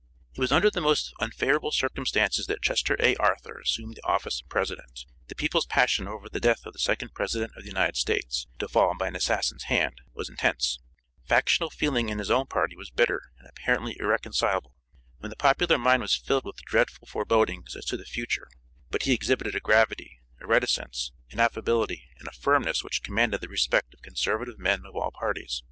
It was under the most unfavorable circumstances that Chester A. Arthur assumed the office of President; the people's passion over the death of the second President of the United States, to fall by an assassin's hand, was intense; factional feeling in his own party was bitter and apparently irreconcilable; when the popular mind was filled with dreadful forebodings as to the future; but he exhibited a gravity, a reticence, an affability, and a firmness which commanded the respect of conservative men of all parties.